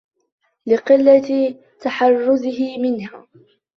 لِقِلَّةِ تَحَرُّزِهِ مِنْهَا